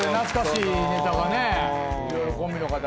いろいろコンビの方が。